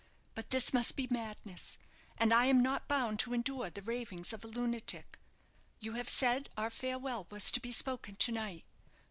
But this must be madness, and I am not bound to endure the ravings of a lunatic. You have said our farewell was to be spoken to night.